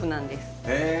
へえ。